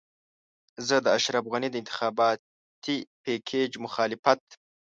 زه د اشرف غني د انتخاباتي پېکج مخالفت.